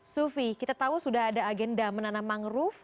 sufi kita tahu sudah ada agenda menanam mangrove